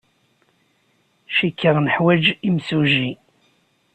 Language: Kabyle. Cikkeɣ neḥwaj imsujji.